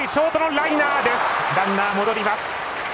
ランナー戻ります。